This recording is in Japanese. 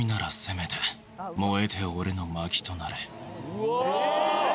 ・うわ！